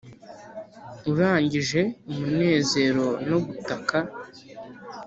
urangije umunezero no gutaka;